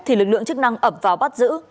thì lực lượng chức năng ẩm vào bắt giữ